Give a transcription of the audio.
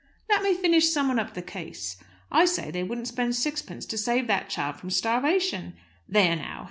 "Let me finish summing up the case. I say they wouldn't spend sixpence to save that child from starvation there, now!